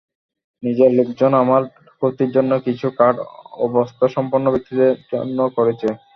নিজের লোকজনই আমার ক্ষতির জন্য কিছু কার্ড অবস্থাসম্পন্ন ব্যক্তিদের জন্য করেছে।